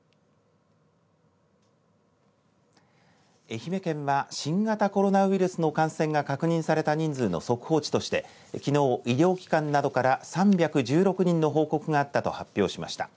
愛媛県は新型コロナウイルスの感染が確認された人数の速報値としてきのう医療機関などから３１６人の報告があったと発表しました。